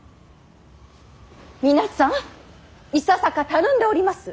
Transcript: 皆さんいささかたるんでおります！